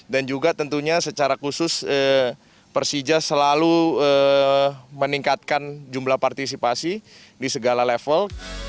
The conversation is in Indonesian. dan juga tentunya secara khusus persija selalu meningkatkan jumlah partisipasi di segala level